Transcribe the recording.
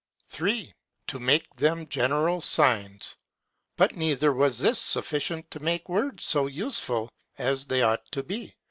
3. To make them general Signs. But neither was this sufficient to make words so useful as they ought to be.